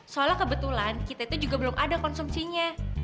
soalnya kebetulan kita itu juga belum ada konsumsinya